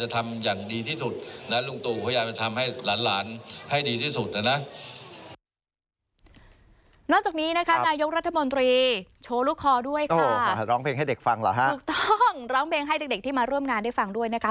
ถูกต้องร้องเพลงให้เด็กที่มาร่วมงานได้ฟังด้วยนะคะ